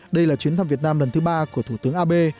đây là chuyến thăm việt nam lần thứ ba của thủ tướng abe